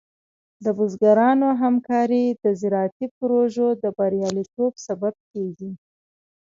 د بزګرانو همکاري د زراعتي پروژو د بریالیتوب سبب کېږي.